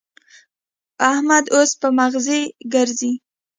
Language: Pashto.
احمد اوس په مغزي ګرزي.